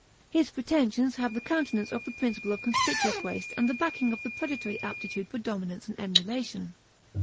His pretensions have the countenance of the principle of conspicuous waste and the backing of the predatory aptitude for dominance and emulation.